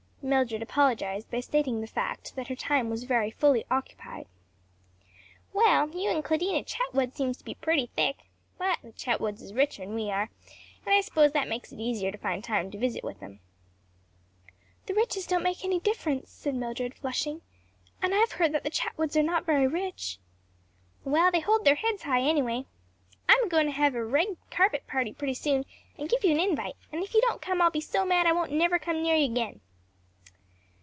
Mildred apologized by stating the fact that her time was very fully occupied. "Well you and Claudina Chetwood seems to be pretty thick. But the Chetwoods is richer'n we are, an' I s'pose that makes it easier to find time to visit with 'em." "The riches don't make any difference," said Mildred, flushing; "and I've heard that the Chetwoods are not very rich." "Well, they hold their heads high anyway. "I'm agoin' to have a rag carpet party pretty soon, and give you an invite, and if you don't come I'll be so mad I won't never come near you again."